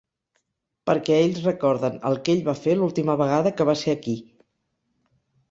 Perquè ells recorden el que ell va fer l'última vegada que va ser aquí.